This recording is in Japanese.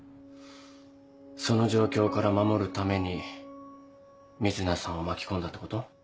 その状況から守るために瑞奈さんを巻き込んだってこと？